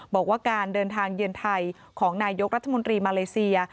บอกว่าการเดินทางเยือนไทยของนายกรัฐมนตรีมาเลเซีย